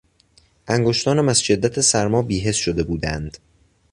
انگشتانم از شدت سرما بیحس شده بودند.